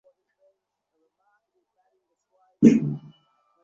যে শোনে সেই জিভ কাটিয়া বলে, ও-কথা কানে আনিতে নাই।